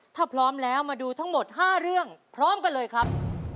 ถ้าพร้อมแล้วมาดูทั้งหมด๕เรื่องพร้อมกันเลยครับ